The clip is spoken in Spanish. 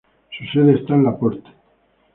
Su sede está en Laporte.